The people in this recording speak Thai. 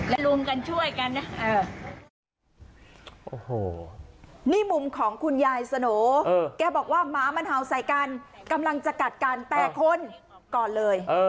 และลุมกันช่วยกันนะโอ้โหนี่มุมของคุณยายสโหน่แกบอกว่าหมามันเห่าใส่กันกำลังจะกัดกันแต่คนก่อนเลย